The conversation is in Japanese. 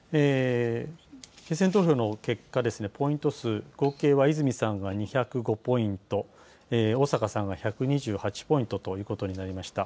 決選投票の結果、ポイント数、合計は泉さんが２０５ポイント、逢坂さんが１２８ポイントということになりました。